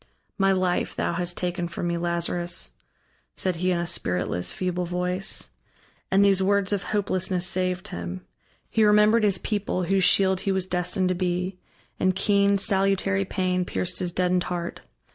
"My life thou hast taken from me, Lazarus," said he in a spiritless, feeble voice. And these words of hopelessness saved him. He remembered his people, whose shield he was destined to be, and keen salutary pain pierced his deadened heart.